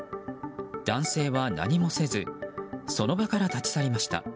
男性は何もせずその場から立ち去りました。